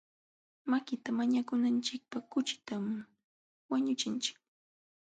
Makita mañakunachikpaq kuchitam wañuchinchik.